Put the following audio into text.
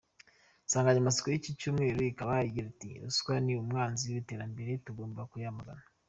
Insanganyamatsiko y’iki cyumweru ikaba igira iti “Ruswa ni umwanzi w’iterambere, tugomba kuyamagana”.